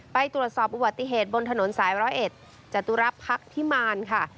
ไปตรวจสอบอุบัติเหตุบนถนนสายร้อยเอ็ดจตุรักษ์พักพิมารค่ะ